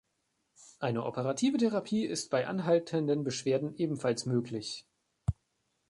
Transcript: Eine operative Therapie ist bei anhaltenden Beschwerden ebenfalls möglich.